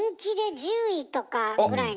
１０位に。